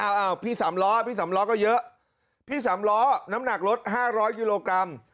อ้าวอ้าวพี่สำร้อพี่สำร้อก็เยอะพี่สำร้อน้ำหนักลดห้าร้อยกิโลกรัม